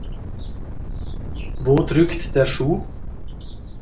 Wo drückt der Schuh?